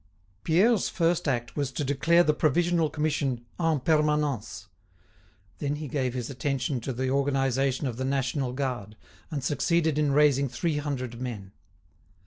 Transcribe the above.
Pierre's first act was to declare the Provisional Commission "en permanence." Then he gave his attention to the organisation of the national guard, and succeeded in raising three hundred men.